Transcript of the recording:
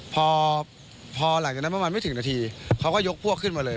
พอหลังจากนั้นประมาณไม่ถึงนาทีเขาก็ยกพวกขึ้นมาเลย